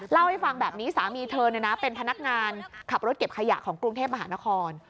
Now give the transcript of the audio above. เล่าให้ฟังแบบนี้สามีเธอเป็นพนักงานขับรถเก็บขยะของกรุงเทพมหานคร